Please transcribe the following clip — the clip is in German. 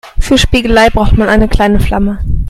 Für Spiegelei braucht man eine kleine Flamme.